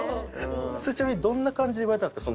それちなみにどんな感じで言われたんですか？